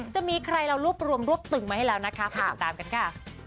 จะมีใครเรารวบรวมรวบตึงมาให้แล้วนะคะไปติดตามกันค่ะ